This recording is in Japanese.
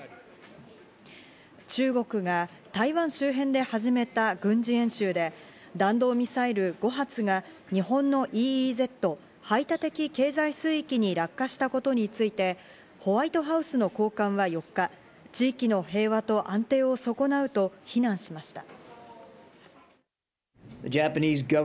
中国が台湾周辺で始めた軍事演習で、弾道ミサイル５発が日本のＥＥＺ＝排他的経済水域に落下したことについて、ホワイトハウスの高官は４日、地域の平和と安定を損なうと非難しました。